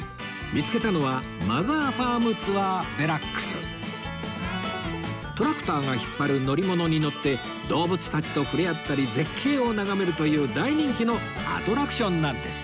見つけたのはトラクターが引っ張る乗り物に乗って動物たちと触れ合ったり絶景を眺めるという大人気のアトラクションなんです